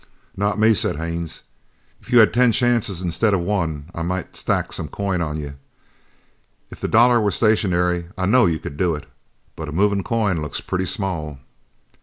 "Not me," said Haines, "if you had ten chances instead of one I might stack some coin on you. If the dollar were stationary I know you could do it, but a moving coin looks pretty small."